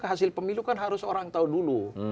hasil pemilu kan harus orang tahu dulu